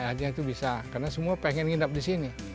artinya itu bisa karena semua pengen hidup disini